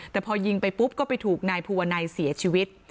แต่พอยิงไปปุ๊บก็ไปถูกนายภูวนัยเสียชีวิต